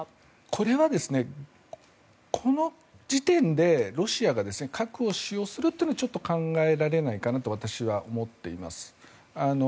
これはこの時点でロシアが核を使用するというのはちょっと考えられないかなと私は思っています。